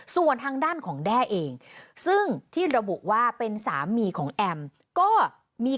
ส่วนทางด้านของแด้เองซึ่งที่ระบุว่าเป็นสามีของแอมก็มี